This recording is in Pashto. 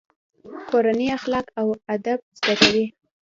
کورنۍ اخلاق او ادب زده کوي.